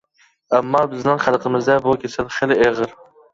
ئەمما بىزنىڭ خەلقىمىزدە بۇ كېسەل خېلى ئېغىر.